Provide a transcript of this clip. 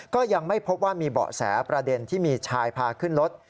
ก็ยังไม่พบว่ามีเบาะแสประเด็นที่มีชายพาขึ้นรถ